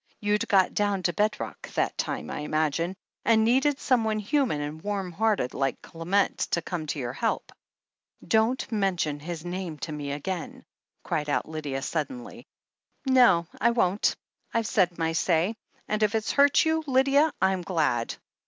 You'd got down to bedrock that time, I imagine, and needed someone 4i6 THE HEEL OF ACHILLES human and wann heartedy like Clement, to come to your help." ''Don't mention his name to me again/' cried out Lydia suddenly. "No, I won't I've said my say, and if it's hurt you, Lydia, I'm glad.